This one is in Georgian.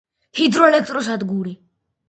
ჰიდროელექტროსადგური